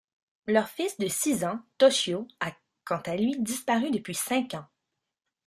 Leur fils de six ans, Toshio, a quant à lui disparu depuis cinq ans.